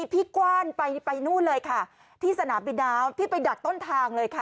พี่กว้านไปนู่นเลยค่ะที่สนามบินน้ำพี่ไปดักต้นทางเลยค่ะ